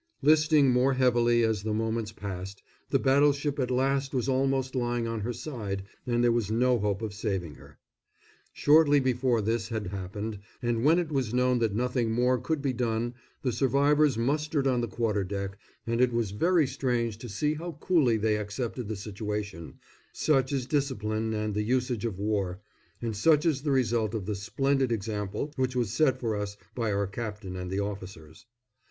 Listing more heavily as the moments passed, the battleship at last was almost lying on her side and there was no hope of saving her. Shortly before this had happened, and when it was known that nothing more could be done, the survivors mustered on the quarter deck, and it was very strange to see how coolly they accepted the situation such is discipline and the usage of war, and such is the result of the splendid example which was set for us by our captain and the officers.